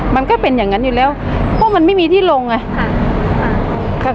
มันก็เป็นอย่างนั้นอยู่แล้วเพราะมันไม่มีที่ลงไง